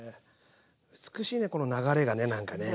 美しいねこの流れがねなんかね。